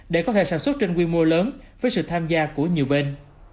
để có thể sản xuất trên quy mô lớn với sự tham gia của nhiều bên